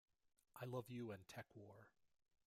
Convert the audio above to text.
I Luv U" and "TekWar".